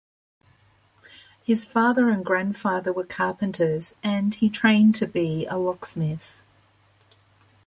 His father and grandfather were carpenters, and he trained to be a locksmith.